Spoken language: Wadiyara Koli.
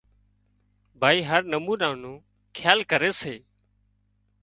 ڀائي هر نُمونا نو کيال ڪري سي